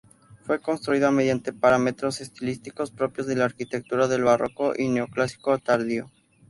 Fue construida mediante parámetros estilísticos propios de la arquitectura del barroco y neoclásico tardío.